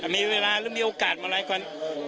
มีเวลาเรื่องมีโอกาสมากกว่านี้